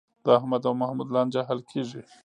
د احمد او محمود لانجه حل کېږي.